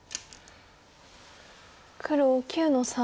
黒９の三。